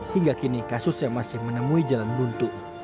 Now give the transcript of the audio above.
hingga kini kasusnya masih menemui jalan buntu